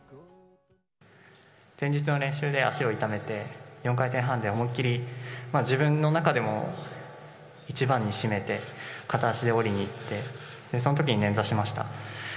先日の練習で足を痛めて４回転半で思いっきり自分の中でも一番に締めて片足で降りにいってその時にねんざしました。